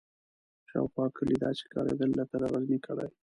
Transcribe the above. شاوخوا کلي داسې ښکارېدل لکه د غزني کلي.